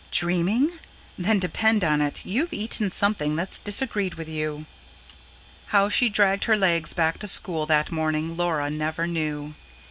Dreaming? Then depend on it you've eaten something that's disagreed with you." How she dragged her legs back to school that morning, Laura never knew.